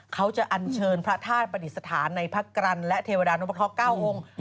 เขาจะอัญเชิญพระธาตุปฏิสถานในพระกรรณและเทวดานุพครเก้าองค์